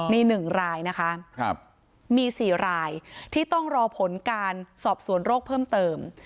นี่หนึ่งรายนะคะครับมีสี่รายที่ต้องรอผลการสอบส่วนโรคเพิ่มเติม